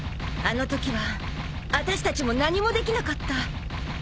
あのときはあたしたちも何もできなかった。